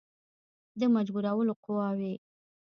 د مجبورولو قواوي.